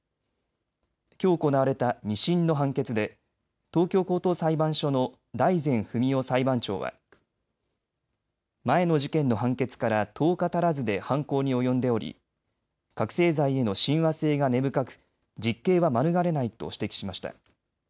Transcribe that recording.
きょう行われた２審の判決で東京高等裁判所の大善文男裁判長は前の事件の判決から１０日足らずで犯行に及んでおり覚醒剤への親和性が根深く実刑は免れないと指摘しました。